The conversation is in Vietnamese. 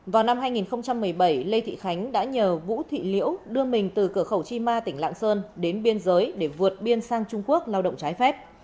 vào năm hai nghìn một mươi bảy lê thị khánh đã nhờ vũ thị liễu đưa mình từ cửa khẩu chi ma tỉnh lạng sơn đến biên giới để vượt biên sang trung quốc lao động trái phép